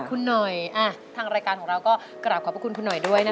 คุณหน่อยทางรายการของเราก็กลับขอบพระคุณคุณหน่อยด้วยนะคะ